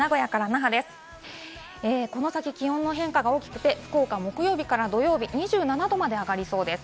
この先、気温の変化が大きくて福岡は木曜日から土曜日、２７度まで上がりそうです。